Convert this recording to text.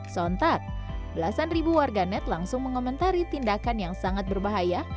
sontak belasan ribu warga net langsung mengomentari tindakan yang sangat berbahaya